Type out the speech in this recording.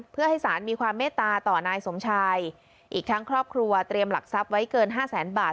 เพื่อให้สารมีความเมตตาต่อนายสมชายอีกทั้งครอบครัวเตรียมหลักทรัพย์ไว้เกินห้าแสนบาท